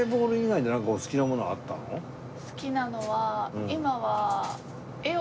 好きなのは今は。